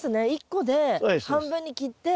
１個で半分に切って。